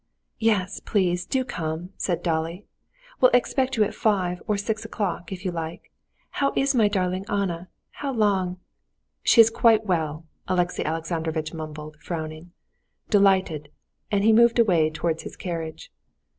"Yes, please, do come," said Dolly; "we will expect you at five, or six o'clock, if you like. How is my darling Anna? How long...." "She is quite well," Alexey Alexandrovitch mumbled, frowning. "Delighted!" and he moved away towards his carriage.